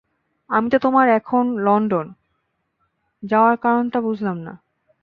আমি তো তোমার এখন লন্ডন, যাওয়ার কারণ টা বুঝলাম না।